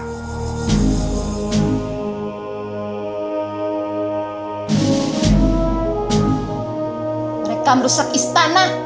mereka merusak istana